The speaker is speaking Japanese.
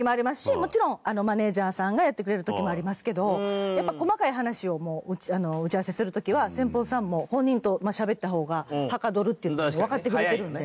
もちろんマネジャーさんがやってくれる時もありますけどやっぱ細かい話を打ち合わせする時は先方さんも本人としゃべった方がはかどるっていうのはわかってくれてるので。